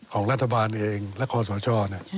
ของรัฐบาลเองและคอสช